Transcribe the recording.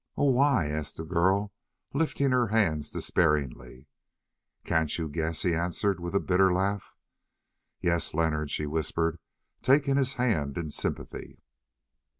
"Oh, why?" asked the girl, lifting her hands despairingly. "Can't you guess?" he answered with a bitter laugh. "Yes, Leonard," she whispered, taking his hand in sympathy.